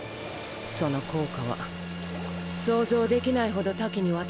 その効果は想像できないほど多岐にわたるんでしょう。